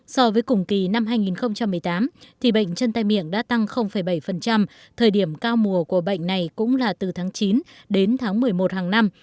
so với cùng kỳ năm hai nghìn một mươi tám thì bệnh chân tay miệng đã tăng bảy thời điểm cao mùa của bệnh này cũng là từ tháng chín đến tháng một mươi một hàng năm